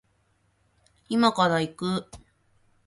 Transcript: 今から行く